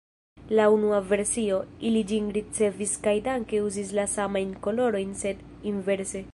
Laŭ unua versio, ili ĝin ricevis kaj danke uzis la samajn kolorojn sed inverse.